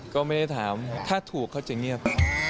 ก็ไม่ได้ถามถ้าถูกเขาจะเงียบ